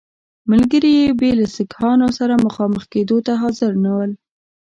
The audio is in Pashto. ملګري یې بیا له سیکهانو سره مخامخ کېدو ته حاضر نه ول.